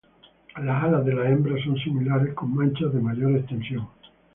Las alas de las hembras son similares, con manchas de mayor extensión.